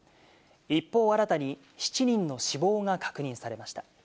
一方、新たに７人の死亡が確認されました。